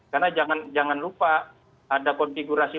karena jangan lupa ada konfigurasi